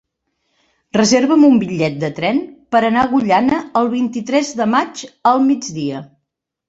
Reserva'm un bitllet de tren per anar a Agullana el vint-i-tres de maig al migdia.